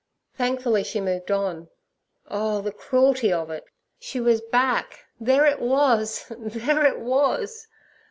Thankfully she moved on. Oh the cruelty of it! She was back—there it was! there it was!